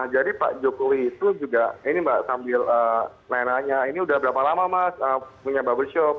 jadi pak jokowi itu juga ini mbak sambil nanya nanya ini udah berapa lama mas punya bubble shop